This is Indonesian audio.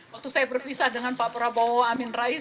waktu saya berpisah dengan pak prabowo amin rais